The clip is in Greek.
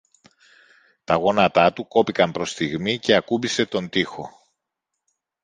Τα γόνατά του κόπηκαν προς στιγμή και ακούμπησε τον τοίχο.